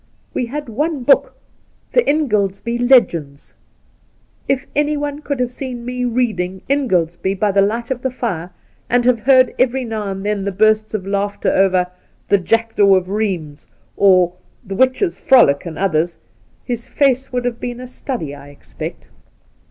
We had one book, "The Ingoldsby Legends." If anyone could have seen me reading Ligoldsby by the light of the fire, and have heard every now and then the bursts of laughter over " The Jackdaw of Rheims " or " The Witches' Frolic," and others, his face would have been a study, I expect.